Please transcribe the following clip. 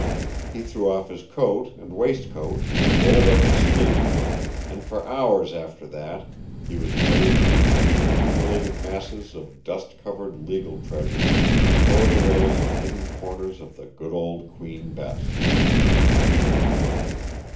He threw off his coat and waistcoat and rolled up his sleeves, and for hours after that he was buried deep in the accumulated masses of dust covered legal treasures stored away in hidden corners of the Good Old Queen Bess.